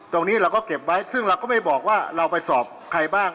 เราก็เก็บไว้ซึ่งเราก็ไม่บอกว่าเราไปสอบใครบ้าง